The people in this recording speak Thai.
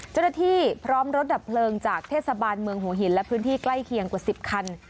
เจ้าหน้าที่พร้อมรถดับเพลิงจากเทศบาลเมืองหัวหินและพื้นที่ใกล้เคียงกว่า๑๐คัน